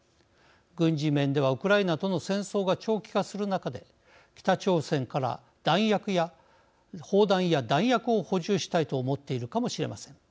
軍事面ではウクライナとの戦争が長期化する中で北朝鮮から砲弾や弾薬を補充したいと思っているかもしれません。